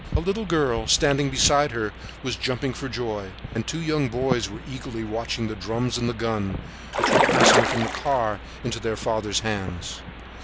A little girl, standing beside her, was jumping for joy, and two young boys were eagerly watching the drum and the gun, which were passing from the car into their father's hands.